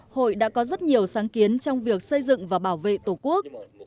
hội đã có rất nhiều sáng kiến trong việc xây dựng và bảo vệ tổ quốc